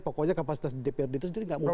pokoknya kapasitas dprd itu sendiri nggak mungkin